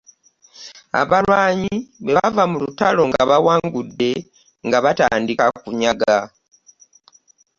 Abalwanyi bweva mu lutalo nga bawangudde nga batandika okunyaga.